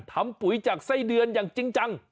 ปุ๋ยจากไส้เดือนอย่างจริงจัง